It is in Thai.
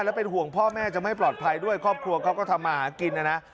และเป็นห่วงพ่อแม่จะไม่ปลอดภัยด้วยครอบครัวเขาก็ทำมาหากินนะนะ